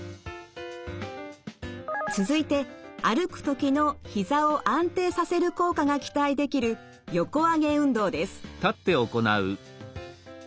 続いて歩くときのひざを安定させる効果が期待できる横上げ運動です。